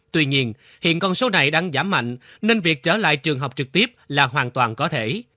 tuy nhiên hiện con số này đang giảm mạnh nên việc trở lại trường học trực tiếp là hoàn toàn có thể